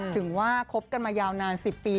ถึงว่าคบกันมายาวนาน๑๐ปี